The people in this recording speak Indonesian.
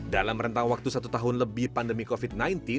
dalam rentang waktu satu tahun lebih pandemi covid sembilan belas